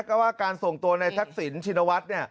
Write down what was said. ก็ว่าการส่งตัวในทักษิณชินวัฒน์